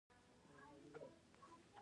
ارزانه درمل هلته جوړیږي.